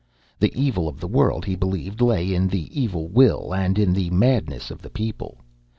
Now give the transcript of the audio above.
The evil of the world, he believed, lay in the evil will and in the madness of the people.